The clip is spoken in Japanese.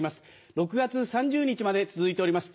６月３０日まで続いております。